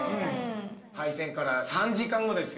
敗戦から３時間後ですよ。